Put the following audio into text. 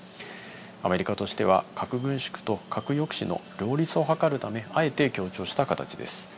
アメリカとしては核軍縮と核抑止の両立を図るため、あえて強調した形です。